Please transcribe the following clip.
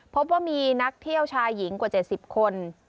พบว่ามีนักเที่ยวชายหญิงกว่า๗๐คน